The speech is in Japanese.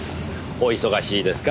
お忙しいですか？